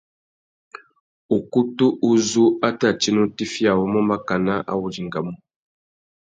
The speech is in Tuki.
Ukutu uzú a tà tina utifiya awômô makana a wô dingamú.